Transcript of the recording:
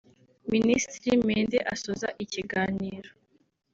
Minisitiri Mende asoza ikiganiro